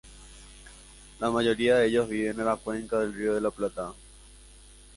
La mayoría de ellos vive en la cuenca del Río de la Plata.